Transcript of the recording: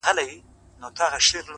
روح مي خبري وکړې روح مي په سندرو ويل،